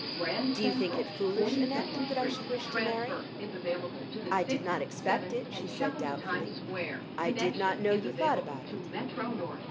"Do you think it foolish, Annette, that I should wish to marry?" "I did not expect it," she said, doubtfully. "I did not know you thought about it."